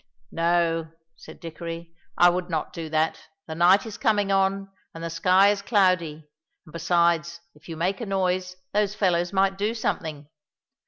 "No," said Dickory, "I would not do that. The night is coming on, and the sky is cloudy. And besides, if you make a noise, those fellows might do something."